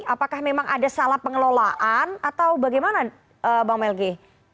apakah memang ada salah pengelolaan atau bagaimana bang melgi